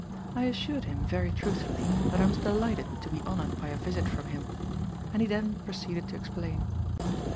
I assured him, very truthfully, that I was delighted to be honoured by a visit from him, and he then proceeded to explain.